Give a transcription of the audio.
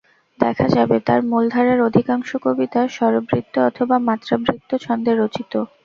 দেখা যাবে, তাঁর মূলধারার অধিকাংশ কবিতা স্বরবৃত্ত অথবা মাত্রাবৃত্ত ছন্দে রচিত।